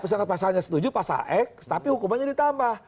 misalkan pasalnya setuju pasal x tapi hukumannya ditambah